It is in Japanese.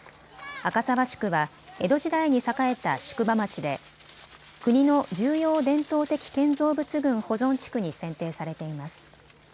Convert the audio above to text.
赤沢宿は江戸時代に栄えた宿場町で国の重要伝統的建造物群保存地区に選定されています。